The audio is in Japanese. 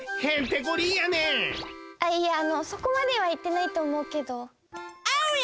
あいやあのそこまではいってないとおもうけど。